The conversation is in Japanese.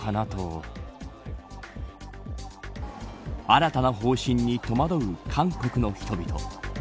新たな方針に戸惑う韓国の人々。